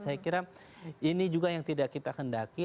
saya kira ini juga yang tidak kita kendaki